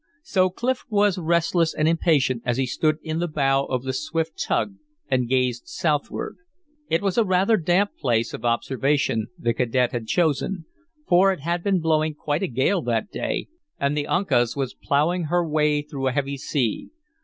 So Clif was restless and impatient as he stood in the bow of the swift tug and gazed southward. It was a rather damp place of observation the cadet had chosen, for it had been blowing quite a gale that day, and the Uncas was plowing her way through a heavy sea.